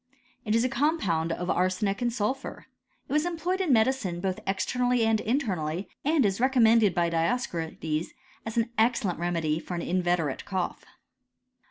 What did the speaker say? It is a compound of arsenic and sulphur. It was em* ployed in medicine both externally and internally, and is recommended by Dioscorides, as an excellent re medy for an inveterate cough.